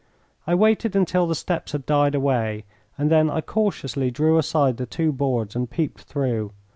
I waited until the steps had died away, and then I cautiously drew aside the two boards and peeped through.